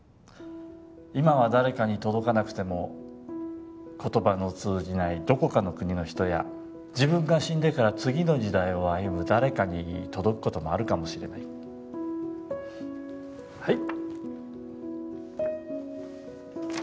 今は誰かに届かなくても言葉の通じないどこかの国の人や自分が死んでから次の時代を歩む誰かに届くこともあるかもしれないはい